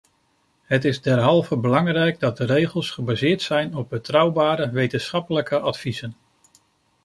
Het is derhalve belangrijk dat de regels gebaseerd zijn op betrouwbare wetenschappelijke adviezen.